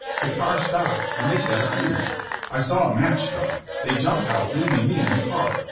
The car stopped and they set a fuse. I saw a match struck. They jumped out leaving me in the car.